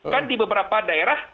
kan di beberapa daerah